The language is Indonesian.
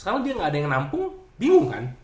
sekarang dia gak ada yang nampung bingung kan